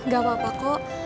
gak apa apa kok